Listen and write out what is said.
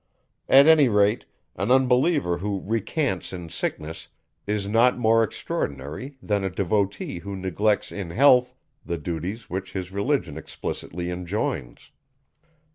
At any rate, an unbeliever who recants in sickness is not more extraordinary, than a devotee who neglects in health the duties which his religion explicitly enjoins.